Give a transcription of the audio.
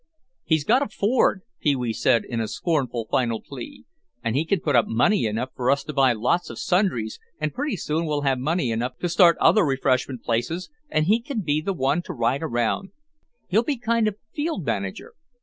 "He's got a Ford," Pee wee said in scornful final plea, "and he can put up money enough for us to buy lots of sundries and pretty soon we'll have money enough to start other refreshment places and he can be the one to ride around—he'll be kind of field manager.